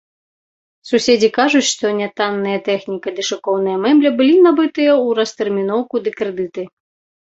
Суседзі кажуць, што нятанная тэхніка ды шыкоўная мэбля былі набытыя ў растэрміноўку ды крэдыты.